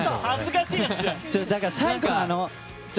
だから、最後なの！